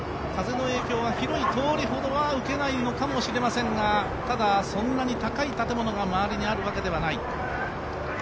風の影響は広い通りほど受けないのかもしれませんがただ、そんなに高い建物が周りにあるわけではない。